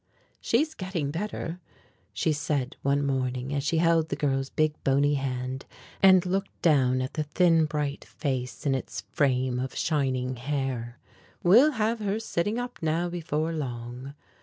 "She's getting better," she said one morning as she held the girl's big bony hand and looked down at the thin bright face in its frame of shining hair. "We'll have her sitting up now before long."